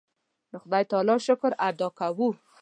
د خدای تعالی شکر ادا کوو.